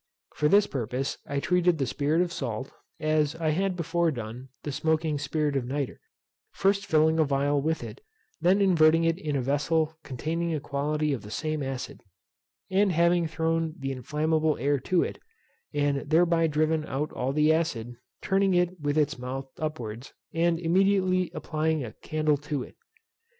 For this purpose I treated the spirit of salt, as I had before done the smoking spirit of nitre; first filling a phial with it, then inverting it in a vessel containing a quantity of the same acid; and having thrown the inflammable air into it, and thereby driven out all the acid, turning it with its mouth upwards, and immediately applying a candle to it.